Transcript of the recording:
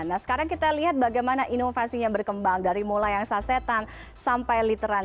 nah sekarang kita lihat bagaimana inovasinya berkembang dari mulai yang sasetan sampai literan